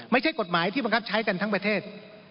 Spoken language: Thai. ไม่ใช่กฎหมายที่บังคับใช้กันทั้งประเทศ